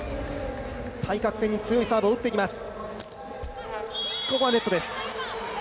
対角線に強いサーブを打ってきます。